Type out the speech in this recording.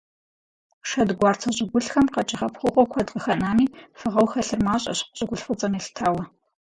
Шэдгуарцэ щӀыгулъхэм къэкӀыгъэ пкъыгъуэу куэд къыхэнами, фыгъэу хэлъыр мащӀэщ, щӀыгулъ фӀыцӀэм елъытауэ.